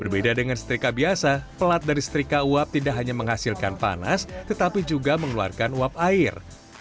berbeda dengan setrika biasa pelat dari setrika uap tidak hanya menghasilkan panas tetapi juga mengeluarkan uap air